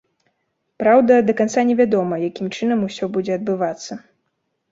Праўда, да канца не вядома, якім чынам усё будзе адбывацца.